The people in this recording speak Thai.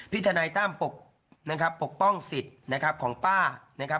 พี่ทนายตั้มปกป้องสิทธิ์นะครับของป้านะครับ